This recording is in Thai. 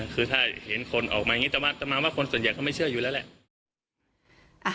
คือถ้าเห็นคนออกมาอย่างนี้แต่มาว่าคนส่วนใหญ่ก็ไม่เชื่ออยู่แล้วแหละ